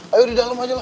ayo di dalam aja lah